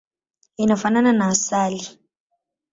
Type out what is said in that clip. Inafanana na asali.